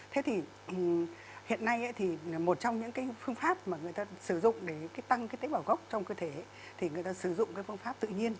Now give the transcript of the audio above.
thế thì hiện nay thì một trong những cái phương pháp mà người ta sử dụng để tăng cái tế bảo gốc trong cơ thể thì người ta sử dụng cái phương pháp tự nhiên